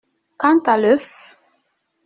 Quant à l’œuf !…